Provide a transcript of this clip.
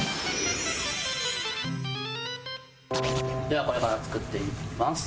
ではこれから作っていきます。